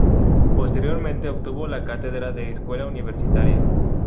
Posteriormente obtuvo la cátedra de escuela universitaria.